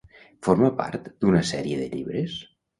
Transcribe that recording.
Forma part d'una sèrie de llibres?